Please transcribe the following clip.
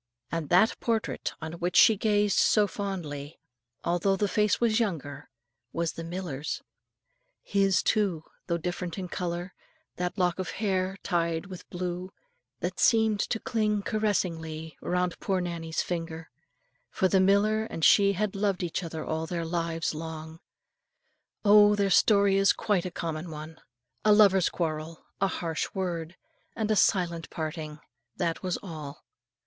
And that portrait on which she grazed so fondly, although the face was younger, was the miller's; his, too, though different in colour, that lock of hair tied with blue, that seemed to cling caressingly around poor Nannie's finger. For the miller and she had loved each other all their lives long. Oh! their story is quite a common one, a lover's quarrel, a harsh word, and a silent parting: that was all.